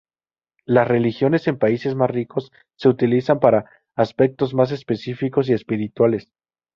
Las religiones en países más ricos se utilizan para aspectos más específicos y espirituales.